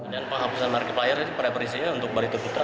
dan penghapusan markiplier ini preferisinya untuk barito putra